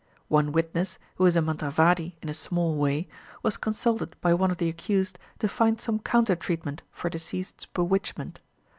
One witness, who is a mantravadi in a small way, was consulted by one of the accused to find some counter treatment for deceased's bewitchment.